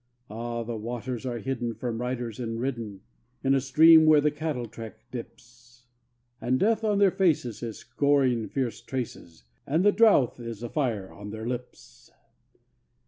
Ah! the waters are hidden from riders and ridden In a stream where the cattle track dips; And Death on their faces is scoring fierce traces, And the drouth is a fire on their lips.